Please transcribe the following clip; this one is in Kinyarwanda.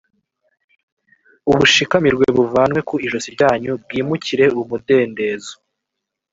ubushikamirwe buvanwe ku ijosi ryanyu, bwimukire umudendezo.